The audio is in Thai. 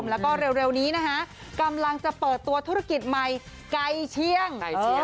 แล้วก็เร็วนี้นะคะกำลังจะเปิดตัวธุรกิจใหม่ไกลเชียง